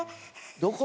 どこ？